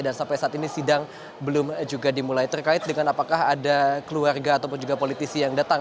sampai saat ini sidang belum juga dimulai terkait dengan apakah ada keluarga ataupun juga politisi yang datang